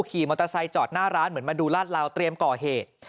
ขี่มอเตอร์ไซค์จอดหน้าร้านเหมือนมาดูลาดลาวเตรียมก่อเหตุ